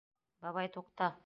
Бабай, туҡта...